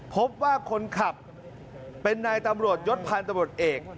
พบว่าคนขับเป็นนายตำรวจยศพันธบรวจเอก